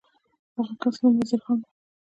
د دغه کس نوم وزیر خان و.